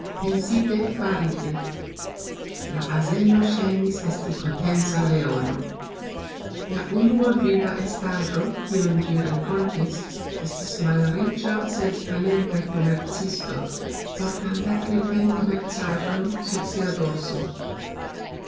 Pensite, farite. La azeno sxajnis esti potenca leono. La unua viva estajxo, kiun gxi renkontis, estis malricxa sed talenta komercisto, portanta kelkajn komercajxojn sur sia dorso.